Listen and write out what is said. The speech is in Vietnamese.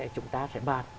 chúng ta sẽ bàn